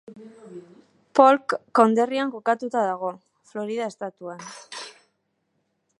Polk konderrian kokatuta dago, Florida estatuan.